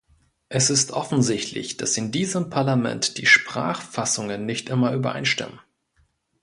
Es ist offensichtlich, dass in diesem Parlament die Sprachfassungen nicht immer übereinstimmen.